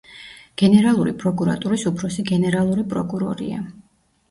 გენერალური პროკურატურის უფროსი გენერალური პროკურორია.